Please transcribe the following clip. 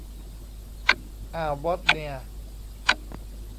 อ่าวบอทเนีย